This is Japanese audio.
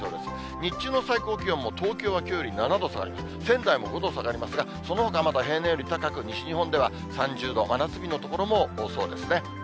日中の最高気温も東京はきょうより７度下がり、仙台も５度下がりますが、そのほかはまだ平年より高く、西日本では３０度、真夏日の所も多そうですね。